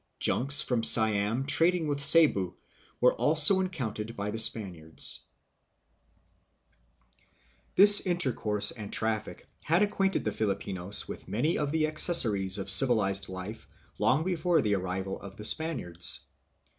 Junks from Siam trading with Cebu were also encountered by the Spaniards. Result of this Intercourse and Commerce. This inter course and traffic had acquainted the Filipinos with many of the accessories of civilized life long before the arrival of the Spaniards.